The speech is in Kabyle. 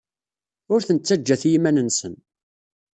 Ur ten-ttajjat i yiman-nsen.